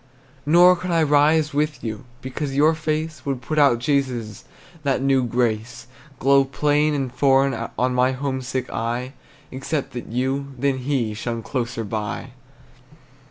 Nor could I rise with you, Because your face Would put out Jesus', That new grace Glow plain and foreign On my homesick eye, Except that you, than he Shone closer by.